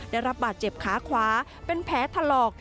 ได้รับบาดเจ็บขาขวาเป็นแผลถลอก